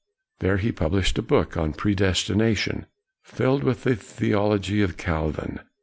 r There he published a book on predestination, filled with the theology of Calvin.